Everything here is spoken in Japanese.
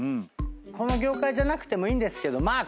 この業界じゃなくてもいいんですけどまあ